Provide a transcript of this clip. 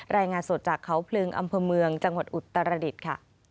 รายงานสดจากเขาพลึงอำเภอเมืองจังหวัดอุตรดิษฐ์ค่ะ